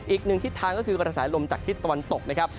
อีกหนึ่งทิศทางก็คือกระแสลมจากทิศตะวันตกนะครับ